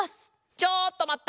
ちょっとまった！